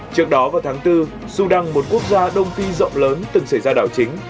trước đó vào tháng bốn sudan một quốc gia đông phi rộng lớn từng xảy ra đảo chính